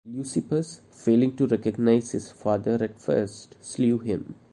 Leucippus, failing to recognize his father at first, slew him.